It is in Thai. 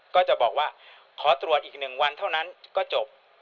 ก็จะบอกว่าขอตรวจอีก๑วันเท่านั้นก็จบ